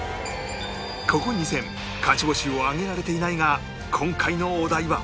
ここ２戦勝ち星を挙げられていないが今回のお題は